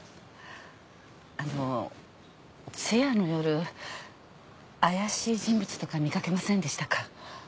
あの通夜の夜怪しい人物とか見掛けませんでしたか？